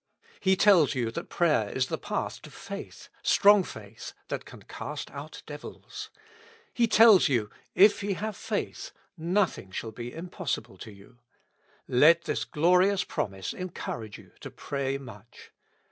He tells you that prayer is the path to faith, strong faith, that can cast out devils. He tells you :" If ye have faith, nothing shall be impossible to you ;" let this glorious promise encourage you to pray much.